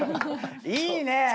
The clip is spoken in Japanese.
⁉いいね！